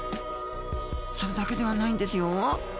それだけではないんですよ！